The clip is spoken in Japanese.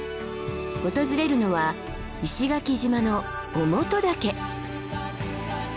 訪れるのは石垣島の於茂登岳。